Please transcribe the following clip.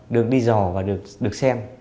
được đi dò và được xem